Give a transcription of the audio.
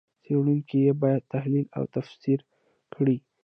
څېړونکي یې باید تحلیل او تفسیر کړي.